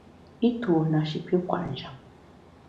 I tuo na shi pi kwet njap.